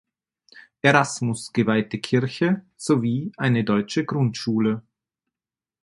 Erasmus geweihte Kirche sowie eine deutsche Grundschule.